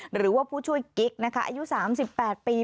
หรือว่าผู้ช่วยกิ๊กนะคะอายุสามสิบแปดปี